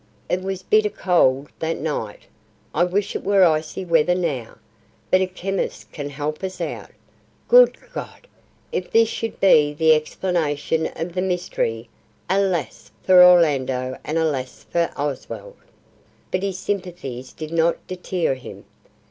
It was bitter cold that night; I wish it were icy weather now. But a chemist can help us out. Good God! if this should be the explanation of the mystery, alas for Orlando and alas for Oswald!" But his sympathies did not deter him.